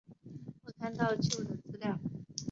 我看到旧的资料